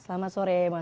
selamat sore mas amel